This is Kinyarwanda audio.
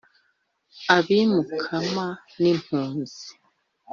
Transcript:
abi mukama ni mpunzi